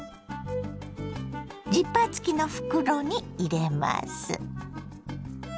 ジッパー付きの袋に入れます。